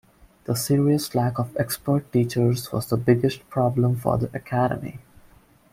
The serious lack of expert teachers was the biggest problem for the Academy.